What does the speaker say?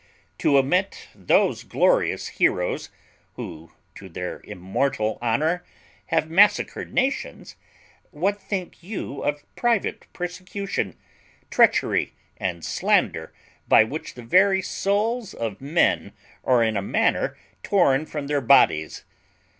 To omit those glorious heroes who, to their immortal honour, have massacred nations, what think you of private persecution, treachery, and slander, by which the very souls of men are in a manner torn from their bodies?